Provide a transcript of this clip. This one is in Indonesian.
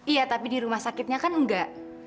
iya tapi di rumah sakitnya kan enggak